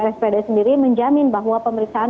rs pad sendiri menjamin bahwa pemeriksaan